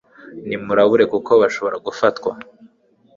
Nimurabure kuko bashobora gufatwa